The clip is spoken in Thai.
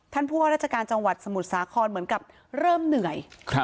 ท่านผู้ว่าราชการจังหวัดสมุทรสาครเหมือนกับเริ่มเหนื่อย